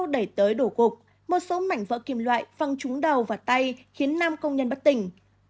đẩy tới đổ cục một số mảnh vỡ kim loại văng trúng đầu và tay khiến năm công nhân bất tỉnh